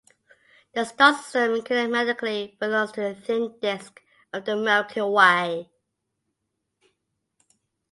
The star system kinematically belongs to the thin disk of the Milky Way.